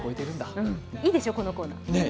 いいでしょ、このコーナー。